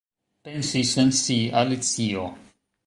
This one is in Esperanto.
Pensis en si Alicio.